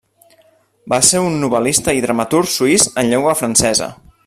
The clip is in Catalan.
Va ser un novel·lista i dramaturg suís en llengua francesa.